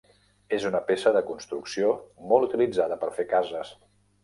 És una peça de construcció molt utilitzada per fer cases.